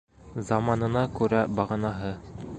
Заманына күрә бағанаһы.